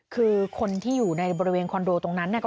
คือคนที่อยู่ในบริเวณคอนโดตรงนั้นเนี่ย